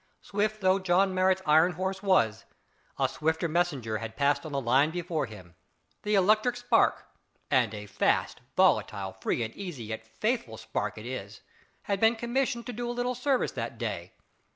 Swift though John Marrot's iron horse was, a swifter messenger had passed on the line before him. The electric spark and a fast volatile, free and easy, yet faithful spark it is had been commissioned to do a little service that day.